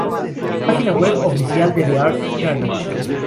Página web oficial de The Arctic Challenge